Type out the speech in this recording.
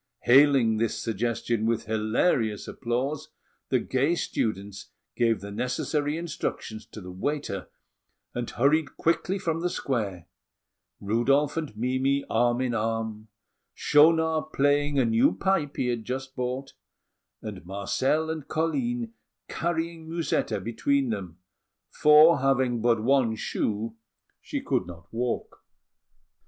Hailing this suggestion with hilarious applause, the gay students gave the necessary instructions to the waiter, and hurried quickly from the square, Rudolf and Mimi arm in arm, Schaunard playing a new pipe he had just bought, and Marcel and Colline carrying Musetta between them, for, having but one shoe, she could not walk.